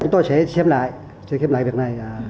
chúng tôi sẽ xem lại sẽ xem lại việc này